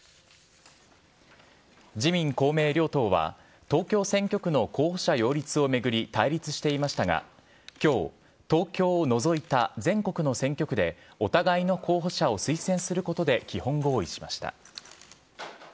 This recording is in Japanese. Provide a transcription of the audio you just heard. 自民、公明両党は、東京選挙区の候補者擁立を巡り対立していましたが、きょう、東京を除いた全国の選挙区でお互いの候補者を推薦することで基本合意しました。